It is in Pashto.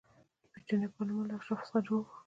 د برېټانیا پارلمان له اشرافو څخه جوړ و.